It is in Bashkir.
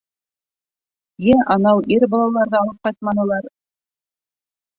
Йә анау ир балаларҙы алып ҡайтманылар.